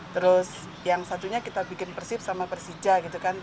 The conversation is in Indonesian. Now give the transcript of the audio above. terus yang satunya kita bikin persib sama persija gitu kan